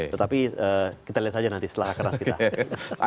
tetapi kita lihat saja nanti setelah akaraskita